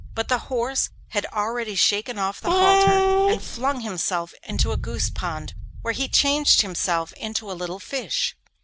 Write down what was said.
But the horse had already shaken off the halter and flung himself into a goose pond, where he changed himself into a little fish.